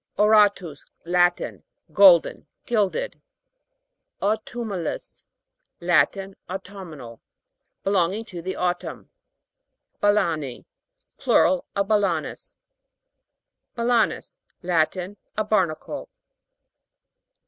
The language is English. AURA'TUS. Latin. Golden ; gilded. AUTUMNA'LIS. Latin. Autumnal. Belonging to the autumn. BALA'NI. Plural of balanus. BALA'NUS. Latin. A barnacle.